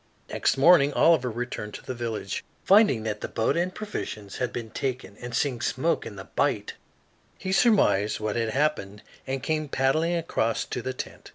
Next morning Oliver returned to the village. Finding that the boat and provisions had been taken and seeing smoke in the bight, he surmised what had happened and came paddling across to the tent.